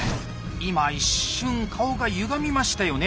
今一瞬顔がゆがみましたよね？